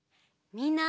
みんな！